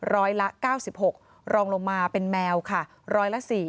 ร้อยละ๙๖รองลงมาเป็นแมวค่ะร้อยละ๔